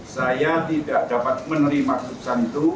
saya tidak dapat menerima keputusan itu